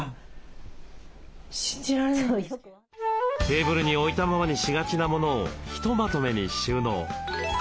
テーブルに置いたままにしがちなモノをひとまとめに収納。